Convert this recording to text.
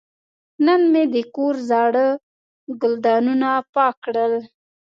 نن مې د کور زاړه ګلدانونه پاک کړل.